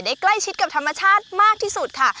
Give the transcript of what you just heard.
ใกล้ชิดกับธรรมชาติมากที่สุดค่ะ